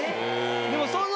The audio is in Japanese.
でもその。